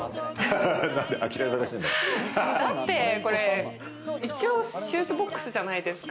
これ、一応シューズボックスじゃないですか。